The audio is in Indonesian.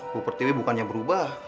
bu pertiwi bukannya berubah